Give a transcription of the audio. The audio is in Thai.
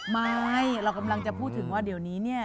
ไม่เรากำลังจะพูดถึงว่าเดี๋ยวนี้เนี่ย